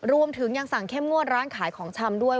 รวมถึงยังสั่งเข้มงวดร้านขายของชำด้วย